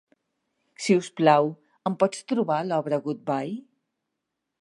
Si us plau, em pots trobar l'obra "Goodbye"?